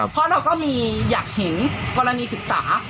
เพราะเราก็มีอยากเห็นกรณีศึกษา